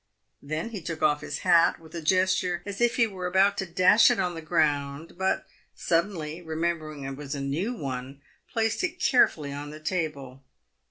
Then he took off his hat with a gesture as if he were about to dash it on the ground, but, suddenly remembering it was a new one, placed it carefully on the table.